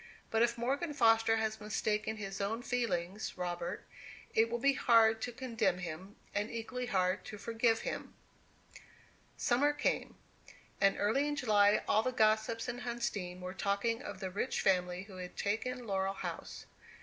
"But if Morgan Foster has mistaken his own feelings, Robert, it will be hard to condemn him, and equally hard to forgive him." Summer came. And early in July all the gossips in Huntsdean were talking of the rich family who had taken Laurel House.